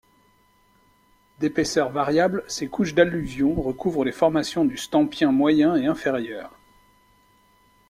D'épaisseur variable, ces couches d'alluvions recouvrent les formations du Stampien moyen et inférieur.